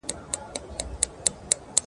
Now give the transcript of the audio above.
زه له سهاره موټر کاروم!.